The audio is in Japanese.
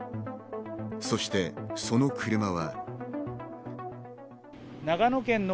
そしてその車は。